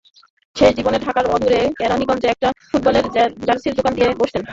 শেষ জীবনে ঢাকার অদূরে কেরানীগঞ্জে একটা ফুটবলের জার্সির দোকান দিয়ে বসতেন।